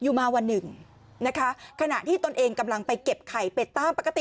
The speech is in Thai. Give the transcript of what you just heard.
อยู่มาวันหนึ่งนะคะขณะที่ตนเองกำลังไปเก็บไข่เป็ดตามปกติ